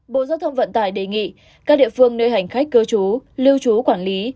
bộ giao thông vận tải đề nghị các địa phương nơi hành khách cơ chú lưu chú quản lý